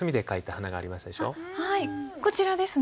はいこちらですね。